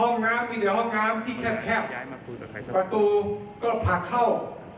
มีแต่ห้องน้ำที่แค่บประตูก็ผลักเข้า